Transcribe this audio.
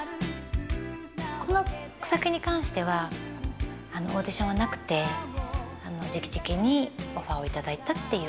この作品に関してはオーディションはなくてじきじきにオファーを頂いたっていう形で。